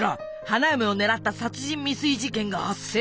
花嫁を狙った殺人未遂事件が発生。